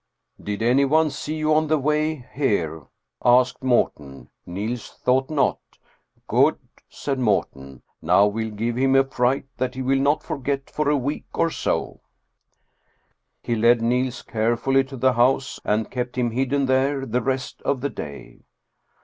" Did anyone see you on the way here?" asked Morten. Niels thought not. "Good," said Morten; "now we'll give him a fright that he will not forget for a week or so." 302 Steen Steensen Blicher He led Niels carefully to the house, and kept him hidden there the rest of the day.